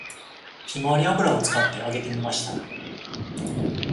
ひまわり油を使って揚げてみました